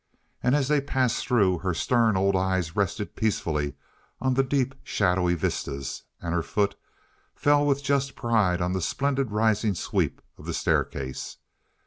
And as they passed through, her stern old eye rested peacefully on the deep, shadowy vistas, and her foot fell with just pride on the splendid rising sweep of the staircase.